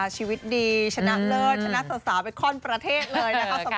ชีวิตดีชนะเลิศชนะสาวไปข้อนประเทศเลยนะคะ